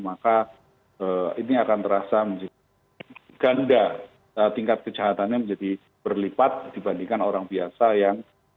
maka ini akan terasa ganda tingkat kejahatannya menjadi berlipat dibandingkan orang biasa yang